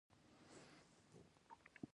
تر دې وړاندې په وړو وړو ويالو کې اوبه بهېدې.